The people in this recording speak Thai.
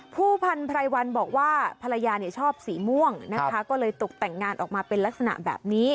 ผู้พันไพรวันบอกว่าภรรยาชอบสีม่วงนะคะก็เลยตกแต่งงานออกมาเป็นลักษณะแบบนี้